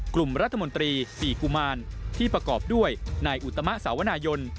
กลุ่มรัฐมนตรี๔กุมารที่ประกอบด้วยนายอุตมะสาวนายน